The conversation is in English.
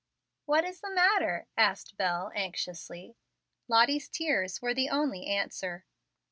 "What is the matter?" asked Bel, anxiously. Lottie's tears were the only answer.